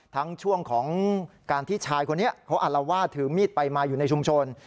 ทั้งช่วงของการทิชายพวกนี้เค้าอาจแล้วว่าถือมีดไปมาอยู่ในชุมชน